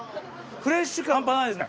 フレッシュ感ハンパないですね。